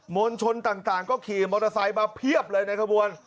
วลชนต่างก็ขี่มอเตอร์ไซค์มาเพียบเลยในขบวน